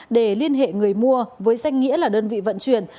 để liên hệ người mua với danh nghĩa là đơn vị vận chuyển